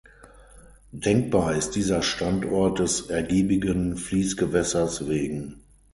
Denkbar ist dieser Standort des ergiebigen Fließgewässers wegen.